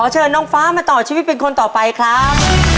เชิญน้องฟ้ามาต่อชีวิตเป็นคนต่อไปครับ